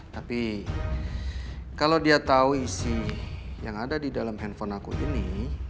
tapi kalau dia tahu isi yang ada di dalam handphone aku ini